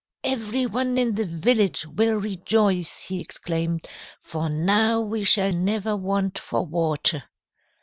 "'Every one in the village will rejoice,' he exclaimed, 'for now we shall never want for water.'